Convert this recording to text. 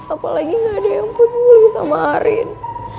apalagi gak ada yang peduli sama arin